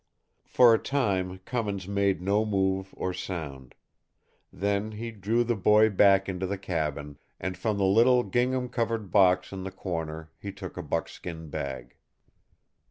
For a time Cummins made no move or sound; then he drew the boy back into the cabin, and from the little gingham covered box in the corner he took a buckskin bag.